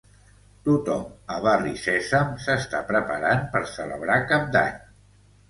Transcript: Tothom a Barri Sèsam s'està preparant per celebrar Cap d'Any.